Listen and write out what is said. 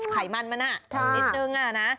ไขมันไหมหน้านิดนึงนะนะ